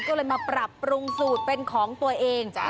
ก็เลยมาปรับปรุงสูตรเป็นของตัวเอง